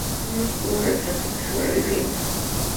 Un oscuro retrato de sobrevivientes.